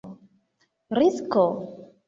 risko